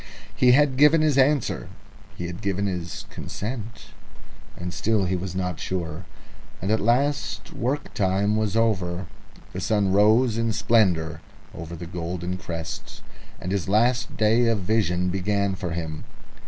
He had given his answer, he had given his consent, and still he was not sure. And at last work time was over, the sun rose in splendour over the golden crests, and his last day of vision began for him.